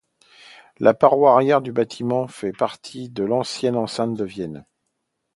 La paroi arrière du bâtiment fait partie de l'ancienne enceinte de Vienne.